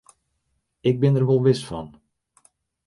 Ik bin der wol wis fan.